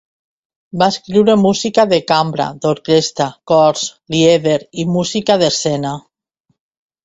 Va escriure música de cambra, d'orquestra, cors, lieder i música d'escena.